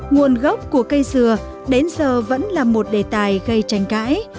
nguồn gốc của cây dừa đến giờ vẫn là một đề tài gây tranh cãi